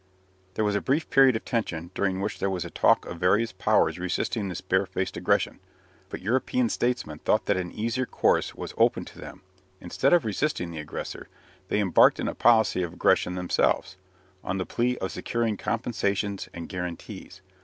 There was a brief period of tension, during which there was a talk of various Powers resisting this barefaced aggression, but European statesmen thought that an easier course was open to them. Instead of resisting the aggressor, they embarked in a policy of aggression themselves, on the plea of securing compensations and guarantees.